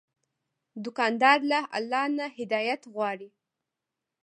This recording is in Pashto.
دوکاندار له الله نه هدایت غواړي.